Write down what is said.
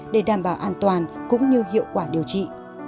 để đảm bảo an toàn cũng như hiệu quả điều trị